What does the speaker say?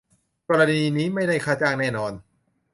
กรณีนี้ไม่ได้ค่าจ้างแน่นอน